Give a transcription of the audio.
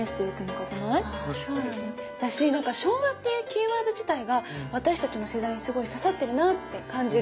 私なんか昭和っていうキーワード自体が私たちの世代にすごい刺さってるなって感じる。